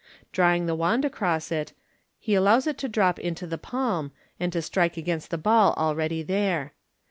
Drawing the wand across it, he allows it to drop into the palm, and to strike against the ball already there.